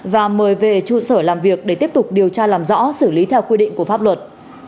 và mời về trụ sở làm việc để tiếp tục điều tra làm rõ xử lý theo quy định của pháp luật